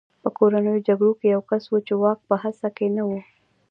په کورنیو جګړو کې یو کس و چې واک په هڅه کې نه و